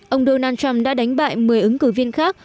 ông donald trump đã đánh bại một mươi ứng cử viên khác